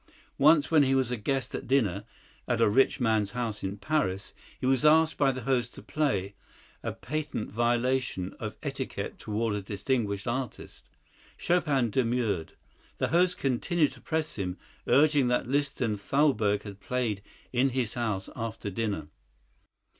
Once when he was a guest at dinner at a rich man's house in Paris, he was asked by the host to play—a patent violation of etiquette toward a distinguished artist. Chopin demurred. The host continued to press him, urging that Liszt and Thalberg had played in his house after dinner.